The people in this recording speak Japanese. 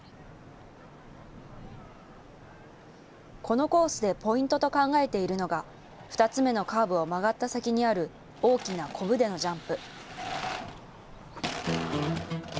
このコースでポイントと考えているのが２つ目のカーブを曲がった先にある大きなこぶでのジャンプ。